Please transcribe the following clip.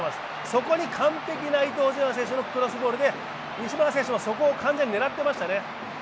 そこに完璧な伊東純也選手のクロスボールで西村選手もそこを完全に狙ってましたね。